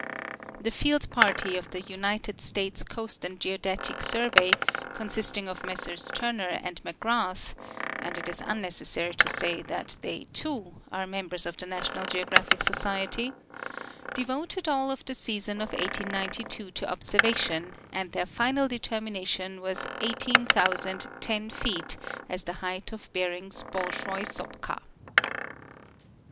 The field party of the United States Coast and Geodetic Survey, consisting of Messrs Turner and McGrath — and it is unnecessary to say that they, too, are members of the National Geographic Society — devoted all of the season of 1892 to observation, and their final determination was 18,010 feet as the height of Bering's bolshoi sapka.